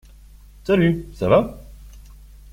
Salut, ça va?